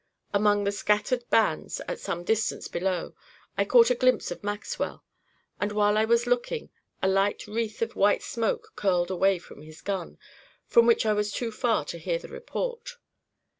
Among the scattered bands, at some distance below, I caught a glimpse of Maxwell; and while I was looking, a light wreath of white smoke curled away from his gun, from which I was too far to hear the report.